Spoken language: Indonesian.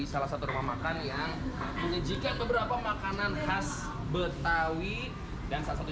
salah satu rumah makan yang menyajikan beberapa makanan khas betawi dan salah satu